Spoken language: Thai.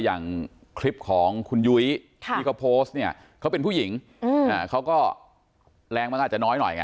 อย่างคลิปของคุณยุ้ยนี่เขาเป็นผู้หญิงเขาก็แรงมันอาจจะน้อยหน่อยไง